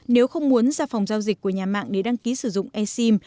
nếu không muốn ra phòng giao dịch của nhà mạng để đăng ký sử dụng e sim